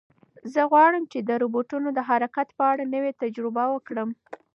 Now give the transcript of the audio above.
زه غواړم چې د روبوټونو د حرکت په اړه نوې تجربه وکړم.